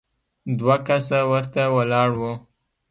دوه کسه ورته ولاړ وو.